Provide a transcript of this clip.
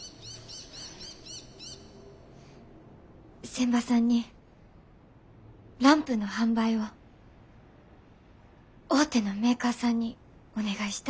仙波さんにランプの販売を大手のメーカーさんにお願いしたいと言われました。